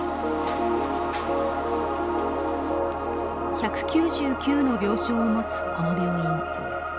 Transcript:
１９９の病床を持つこの病院。